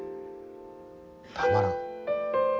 たまらん。